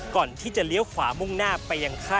ก่อนที่จะเลี้ยวขวามุ่งหน้าไปยังไข้ทหารครับ